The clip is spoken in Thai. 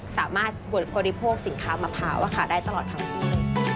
สามารถบริโภคสินค้ามะพร้าวได้ตลอดทั้งที่